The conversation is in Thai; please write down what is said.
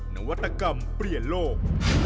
นวัตกรรมเปลี่ยนโลก